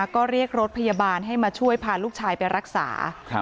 ก็เรียกรถพยาบาลให้มาช่วยพาลูกชายไปรักษา